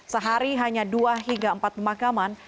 sehari hanya dua hingga empat pemakaman